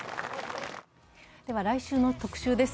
来週の特集です。